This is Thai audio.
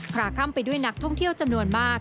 ลาค่ำไปด้วยนักท่องเที่ยวจำนวนมาก